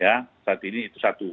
ya saat ini itu satu